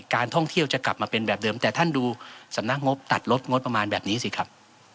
การท่องเที่ยวจะกลับมาเป็นแบบเดิมแต่ท่านดูสำนักงบตัดลดงบประมาณแบบนี้สิครับ